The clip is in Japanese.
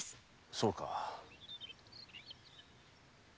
そうか。